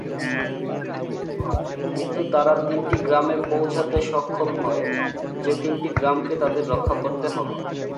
কিন্তু তারা তিনটি গ্রামে পৌঁছাতে সক্ষম হয়, যে তিনটি গ্রামকে তাদের রক্ষা করতে হবে।